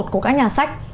của các nhà sách